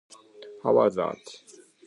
How about that?